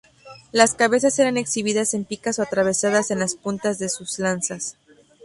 Las cabezas eran exhibidas en picas o atravesadas en las puntas de sus lanzas.